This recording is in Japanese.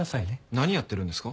何やってるんですか？